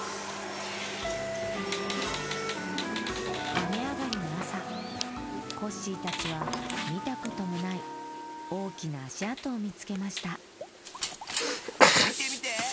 あめあがりのあさコッシーたちはみたこともないおおきなあしあとをみつけましたみてみて！